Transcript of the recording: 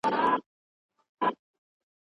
موږ جمع ښه زده کړې ده.